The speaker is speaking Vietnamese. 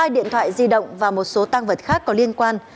hai điện thoại di động và một số tăng vật khác có liên quan